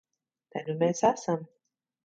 Te nu mēs esam.